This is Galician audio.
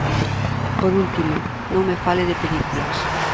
Por último, non me fale de películas.